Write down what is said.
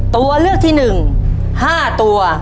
ตัวเลือกที่หนึ่งห้าตัว